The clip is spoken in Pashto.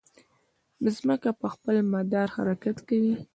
مځکه پر خپل مدار حرکت کوي.